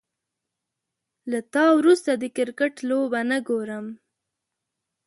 له تا وروسته، د کرکټ لوبه نه ګورم